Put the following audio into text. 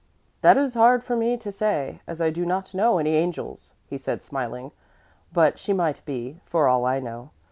"That is hard for me to say, as I do not know any angels," he said smiling, "but she might be for all I know.